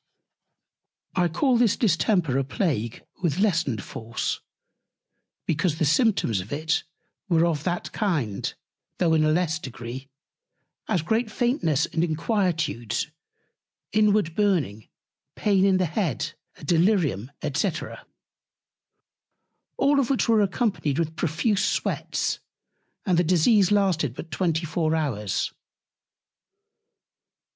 I call this Distemper a Plague with lessened Force, because the Symptoms of it were of that kind, though in a less Degree; as great Faintness and Inquietudes, inward Burning, Pain in the Head, a Delirium &c. All which were accompanied with profuse Sweats, and the Disease lasted but 24 hours.